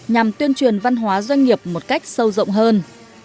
nhằm tuyên truyền văn hóa doanh nghiệp một cách sâu rộng hơn